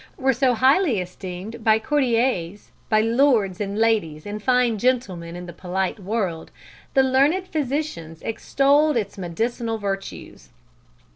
were so highly esteemed by courtiers, by lords and ladies and fine gentlemen in the polite world, the learned physicians extolled its medicinal virtues."